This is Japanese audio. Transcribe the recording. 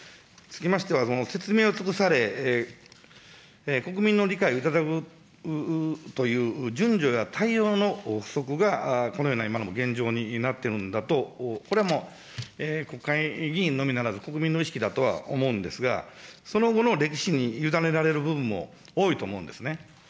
つきましては、説明を尽くされ、国民の理解を頂くという順序や対応の不足がこのような今の現状になっているんだと、これはもう、国会議員のみならず、国民の意識だとは思うんですが、その後の歴史に委ねられる部分も多いと思うんですね。